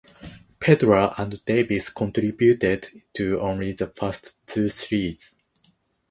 Pedler and Davis contributed to only the first two series.